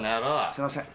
すいません。